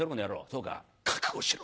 「そうか覚悟しろ。